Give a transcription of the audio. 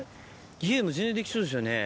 家でも全然できそうですよね。